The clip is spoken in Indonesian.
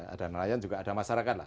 ada nelayan juga ada masyarakat lah